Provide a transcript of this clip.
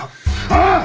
ああ？